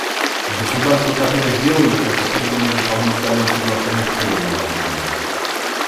Государства, которые сделали это, призваны выполнять данные соглашения в полном объеме.